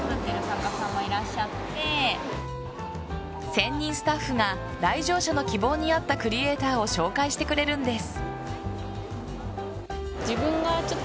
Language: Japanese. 専任スタッフが来場者の希望に合ったクリエイターを紹介してくれるんです。